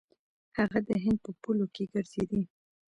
هغه د هند په پولو کې ګرځېدی.